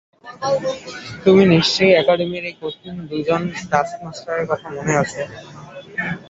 তোমার নিশ্চয় একাডেমির এই কঠিন দুজন টাস্কমাস্টারের কথা মনে আছে?